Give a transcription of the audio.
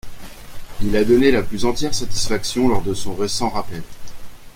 Il a donné la plus entière satisfaction lors de son récent rappel.